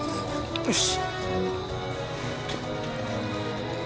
よし。